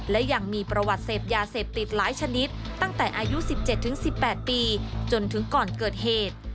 และยังมีประวัติเสพยาเสพติดหลายชนิดตั้งแต่อายุ๑๗๑๘ปีจนถึงก่อนเกิดเหตุ